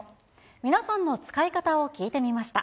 皆さんの使い方を聞いてみました。